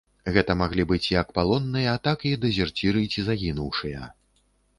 Гэта маглі быць як палонныя, так і дэзерціры ці загінуўшыя.